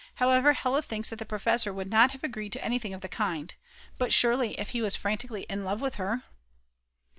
However, Hella thinks that the professor would not have agreed to anything of the kind. But surely if he was frantically in love with her